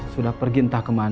sudah pergi entah kembali